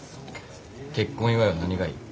結婚祝は何がいい？